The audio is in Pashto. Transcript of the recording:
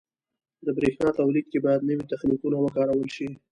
• د برېښنا تولید کې باید نوي تخنیکونه وکارول شي.